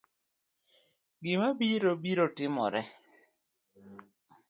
Gima biro, biro timore